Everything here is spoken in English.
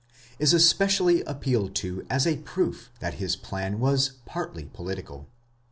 is especially appealed to as a proof that his plan was partly political.